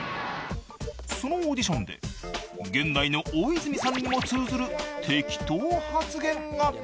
［そのオーディションで現代の大泉さんにも通ずる適当発言が］